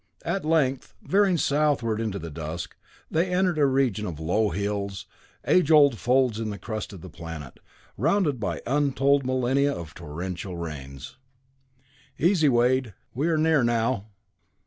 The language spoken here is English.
At length, veering southward into the dusk, they entered a region of low hills, age old folds in the crust of the planet, rounded by untold millennia of torrential rains. "Easy, Wade. We are near now."